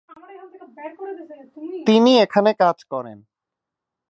তিনি এখানে কাজ করেন।